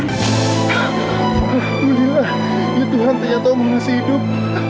alhamdulillah ya tuhan ternyata menghidup